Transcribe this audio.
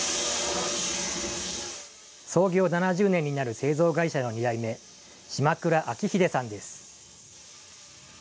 創業７０年になる製造会社の２代目、島倉彰秀さんです。